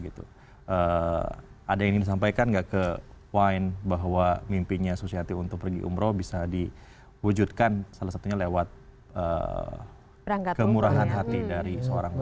ada yang ingin disampaikan nggak ke wine bahwa mimpinya susiati untuk pergi umroh bisa diwujudkan salah satunya lewat kemurahan hati dari seorang guru